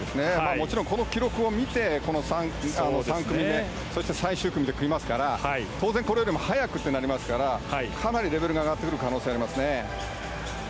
もちろん、この記録を見て３組め、そして最終組も泳ぎますから当然、これよりも速くということになりますからかなりレベルが上がってくる可能性がありますね。